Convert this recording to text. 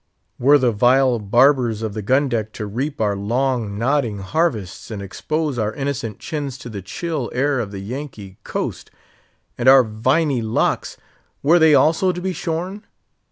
Were the vile barbers of the gun deck to reap our long, nodding harvests, and expose our innocent chins to the chill air of the Yankee coast! And our viny locks! were they also to be shorn?